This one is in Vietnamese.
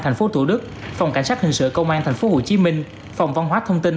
thành phố thủ đức phòng cảnh sát hình sự công an tp hcm phòng văn hóa thông tin